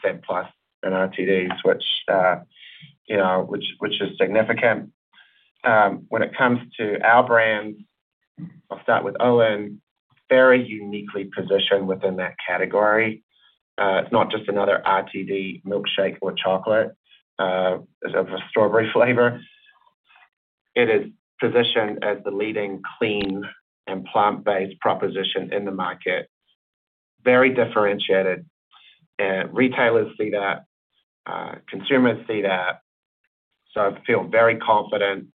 in RTDs, which is significant. When it comes to our brands, I'll start with OWYN. Very uniquely positioned within that category. It's not just another RTD milkshake or chocolate or a strawberry flavor. It is positioned as the leading clean and plant-based proposition in the market. Very differentiated. Retailers see that. Consumers see that, so I feel very confident.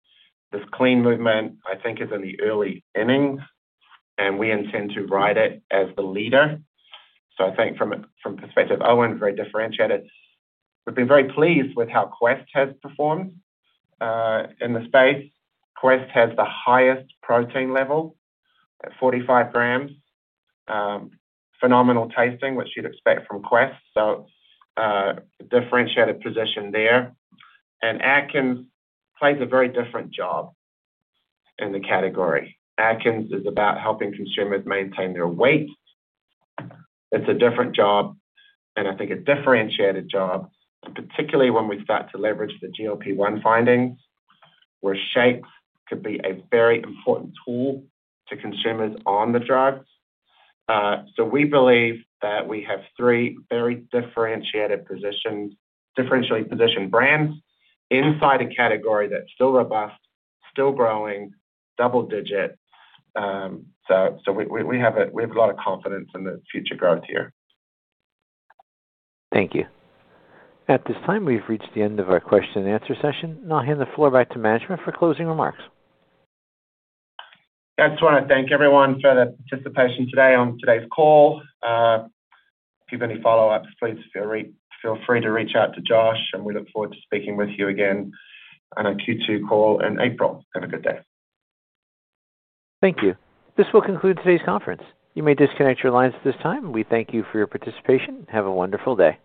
This clean movement, I think, is in the early innings, and we intend to ride it as the leader, so I think from perspective of OWYN, very differentiated. We've been very pleased with how Quest has performed in the space. Quest has the highest protein level at 45 g. Phenomenal tasting, which you'd expect from Quest, so differentiated position there, and Atkins plays a very different job in the category. Atkins is about helping consumers maintain their weight. It's a different job, and I think a differentiated job, particularly when we start to leverage the GLP-1 findings, where shakes could be a very important tool to consumers on the drugs. So we believe that we have three very differentiated positions, differentially positioned brands inside a category that's still robust, still growing, double-digit. So we have a lot of confidence in the future growth here. Thank you. At this time, we've reached the end of our question-and-answer session. And I'll hand the floor back to management for closing remarks. I just want to thank everyone for the participation today on today's call. If you have any follow-ups, please feel free to reach out to Josh, and we look forward to speaking with you again on a Q2 call in April. Have a good day. Thank you. This will conclude today's conference. You may disconnect your lines at this time. We thank you for your participation. Have a wonderful day.